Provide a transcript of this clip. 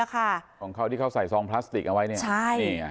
ของเขาที่เขาใส่ซองพลาสติกเอาไว้